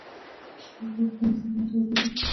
په سړه هوا کې به انسان ځان توداوه.